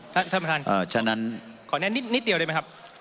ท่านประธานขอแนะนิดนิดเดียวได้มั้ยครับ